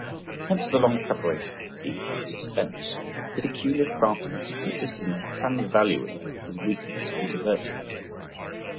Hence the long preparation, the suspense. His peculiar craftiness consisted in transvaluing his weakness into virtues.